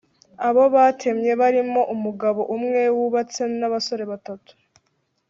Abo batemye barimo umugabo umwe wubatse n’abasore batatu